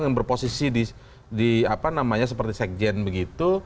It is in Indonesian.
yang berposisi seperti sekjen begitu